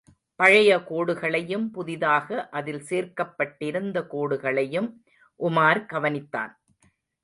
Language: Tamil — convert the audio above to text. பழைய கோடுகளையும், புதிதாக அதில் சேர்க்கப்பட்டிருந்த கோடுகளையும் உமார் கவனித்தான்.